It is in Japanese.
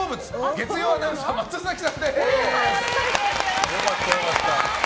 月曜アナウンサーの松崎さんです！